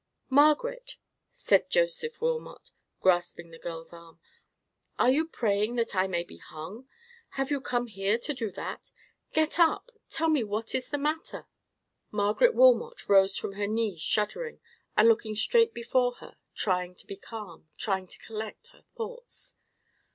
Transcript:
"Margaret," said Joseph Wilmot, grasping the girl's arm, "are you praying that I may be hung? Have you come here to do that? Get up, and tell me what is the matter!" Margaret Wilmot rose from her knees shuddering, and looking straight before her, trying to be calm—trying to collect her thoughts.